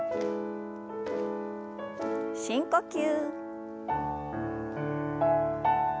深呼吸。